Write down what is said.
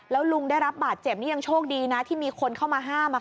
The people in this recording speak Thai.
แล้วลุงได้รับบาดเจ็บนี่ยังโชคดีนะที่มีคนเข้ามาห้าม